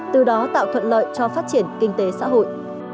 từ đó tạo thuận lợi cho phát triển kinh tế xã hội